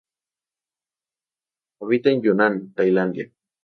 Habita en Yunnan, Tailandia.